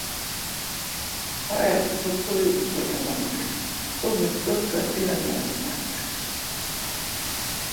Hayas topri utzumenan ya, ç̌ǩomit do gadziranen ya.